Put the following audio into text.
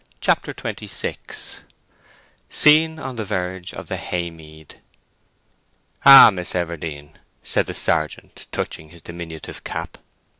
CHAPTER XXVI SCENE ON THE VERGE OF THE HAY MEAD "Ah, Miss Everdene!" said the sergeant, touching his diminutive cap.